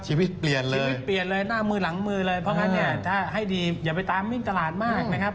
ชีวิตเปลี่ยนเลยหน้ามือหลังมือเลยเพราะฉะนั้นเนี่ยถ้าให้ดีอย่าไปตามเงินตลาดมากนะครับ